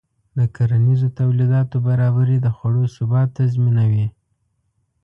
د کرنیزو تولیداتو برابري د خوړو ثبات تضمینوي.